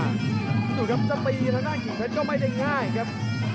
ดูครับจะตีทางด้านกิ่งเพชรก็ไม่ได้ง่ายครับ